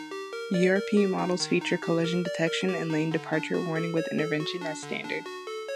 European models feature collision detection and lane departure warning with intervention as standard.